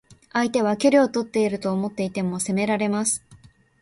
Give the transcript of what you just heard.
相手は距離をとっていると思っていても攻められます。